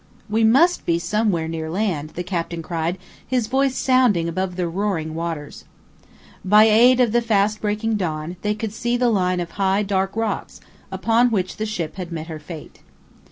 "We must be somewhere near land," the captain cried, his voice sounding above the roaring waters. By aid of the fast breaking dawn, they could see the line of high, dark rocks, upon which the ship had met her fate.